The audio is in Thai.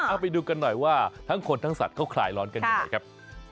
เอาไปดูกันหน่อยว่าทั้งคนทั้งสัตว์เขาคลายร้อนกันยังไงครับ